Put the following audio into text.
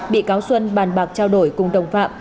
bị cáo xuân bàn bạc trao đổi cùng đồng phạm